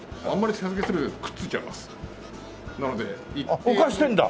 あっ！浮かしてるんだ。